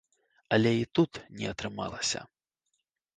Але і тут не атрымалася.